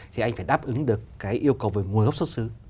thì anh phải đáp ứng được cái yêu cầu về nguồn gốc xuất xứ